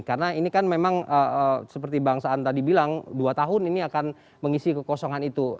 karena ini kan memang seperti bangsaan tadi bilang dua tahun ini akan mengisi kekosongan itu